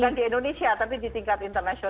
bukan di indonesia tapi di tingkat internasional